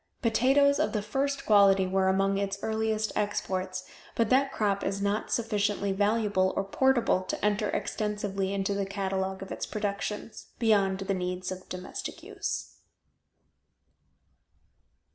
Potatoes of the first quality were among its earliest exports, but that crop is not sufficiently valuable or portable to enter extensively into the catalogue of its productions, beyond the needs of domestic use.